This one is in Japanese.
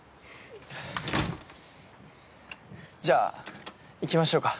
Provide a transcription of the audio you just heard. じゃあ行きましょうか。